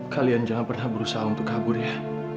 kalian jangan pernah berusaha untuk kabur ya